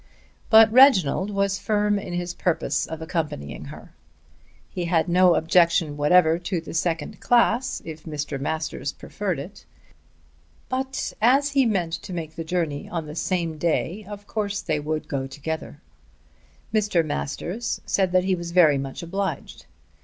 But Reginald was firm in his purpose of accompanying her. He had no objection whatever to the second class, if Mr. Masters preferred it. But as he meant to make the journey on the same day of course they would go together. Mr. Masters said that he was very much obliged.